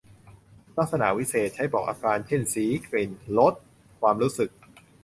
ลักษณะวิเศษณ์ ใช้บอกอาการ เช่น สี กลิ่น รส ความรู้สึก